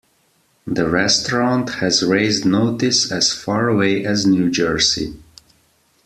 The restaurant has raised notice as far away as New Jersey.